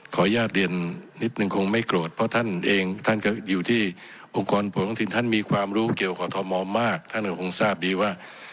ขออนุญาตเรียนนิดนึงคงไม่โกรธเพราะท่านเองท่านก็อยู่ที่องค์กรผลท้องถิ่นท่านมีความรู้เกี่ยวกับทมมากท่านก็คงทราบดีว่า